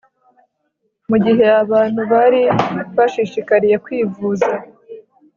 mu gihe abantu bari bashishikariye kwivuza